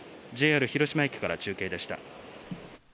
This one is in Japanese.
ＪＲ広島駅から中継でした。